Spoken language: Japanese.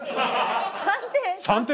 ３点。